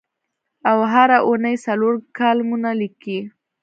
او هره اوونۍ څلور کالمونه لیکي.